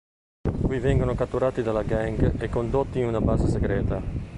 Qui vengono catturati dalla Gang e condotti in una base segreta.